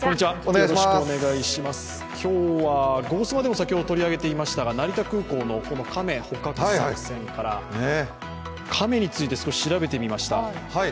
今日は、「ゴゴスマ」でも先ほど取り上げていましたが成田空港の亀捕獲作戦から亀について少し調べてみました。